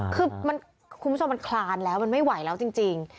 คือคุณผู้ชมมันคลานแล้วมันไม่ไหวแล้วจริง